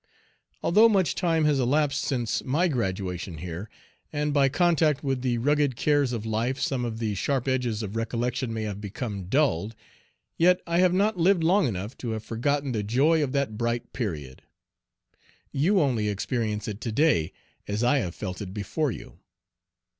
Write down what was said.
Although much time has elapsed since my graduation here, and by contact with the rugged cares of life some of the sharp edges of recollection may have become. dulled, yet I have not lived long enough to have forgotten the joy of that bright period. You only experience it to day as I have felt it before you.